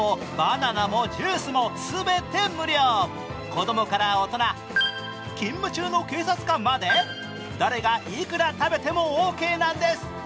子供から大人、勤務中の警察官まで誰がいくら食べてもオーケーなんです。